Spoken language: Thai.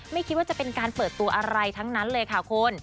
ไม่คิดว่าจะเป็นการเปิดตัวอะไรทั้งนั้นเลยค่ะคุณ